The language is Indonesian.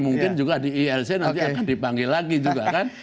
mungkin juga di ilc nanti akan dipanggil lagi juga kan